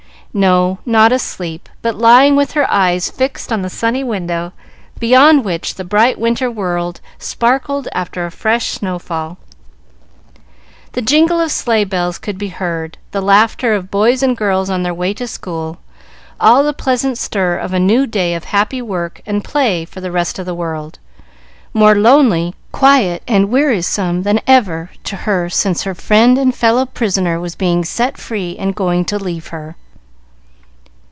No, not asleep, but lying with her eyes fixed on the sunny window, beyond which the bright winter world sparkled after a fresh snow fall. The jingle of sleigh bells could be heard, the laughter of boys and girls on their way to school, all the pleasant stir of a new day of happy work and play for the rest of the world, more lonely, quiet, and wearisome than ever to her since her friend and fellow prisoner was set free and going to leave her.